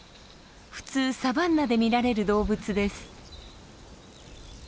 普通サバンナで見られる動物です。